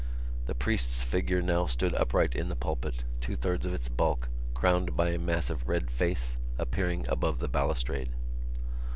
The priest's figure now stood upright in the pulpit, two thirds of its bulk, crowned by a massive red face, appearing above the balustrade.